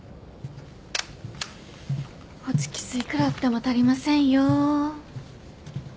ホチキスいくらあっても足りませんよ。